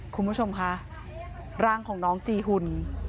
คุณผู้ชมคะร่างของน้องจีหุ่น